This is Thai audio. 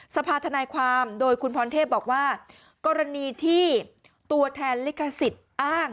สภาธนายความโดยคุณพรเทพบอกว่ากรณีที่ตัวแทนลิขสิทธิ์อ้าง